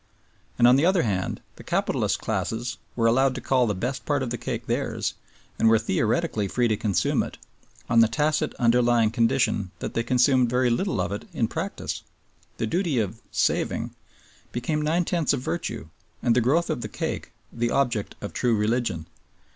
And on the other hand the capitalist classes were allowed to call the best part of the cake theirs and were theoretically free to consume it, on the tacit underlying condition that they consumed very little of it in practice. The duty of "saving" became nine tenths of virtue and the growth of the cake the object of true religion.